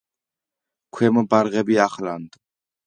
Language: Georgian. ქვემო ბარღები, ახლანდ.